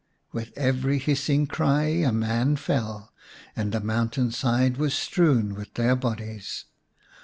" With every hissing cry a man fell, and the mountain side was strewn with their bodies.